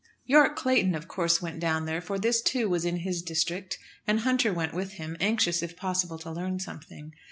Yorke Clayton of course went down there, for this, too, was in his district, and Hunter went with him, anxious, if possible, to learn something.